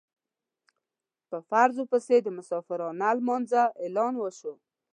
په فرضو پسې د مسافرانه لمانځه اعلان وشو.